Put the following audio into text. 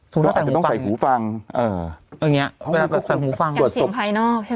ก็อาจจะต้องใส่หูฟังเอออย่างเงี้ยใส่หูฟังแอบเสียงภายนอกใช่ไหม